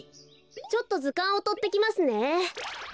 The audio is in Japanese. ちょっとずかんをとってきますね。